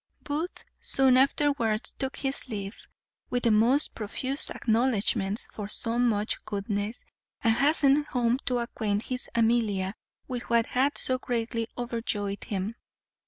Booth soon afterwards took his leave with the most profuse acknowledgments for so much goodness, and hastened home to acquaint his Amelia with what had so greatly overjoyed him.